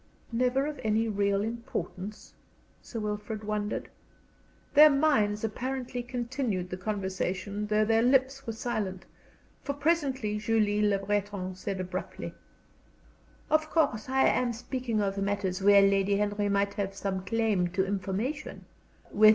"Never of any real importance?" Sir Wilfrid wondered. Their minds apparently continued the conversation though their lips were silent, for presently Julie Le Breton said, abruptly: "Of course I am speaking of matters where Lady Henry might have some claim to information.